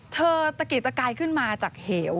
เธอตะกิดตะกายขึ้นมาจากเหี่ยว